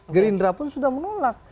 gerindra pun sudah menolak